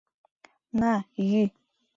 На, йӱ!